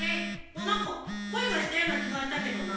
なんかこえがしたようなきがしたけどな。